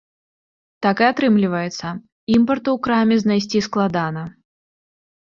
Так і атрымліваецца, імпарту ў краме знайсці складана.